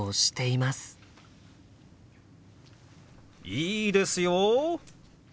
いいですよ！